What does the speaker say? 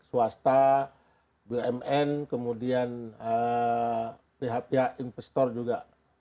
swasta bumn kemudian pihak pihak investor juga